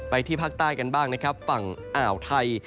ที่ภาคใต้กันบ้างนะครับฝั่งอ่าวไทย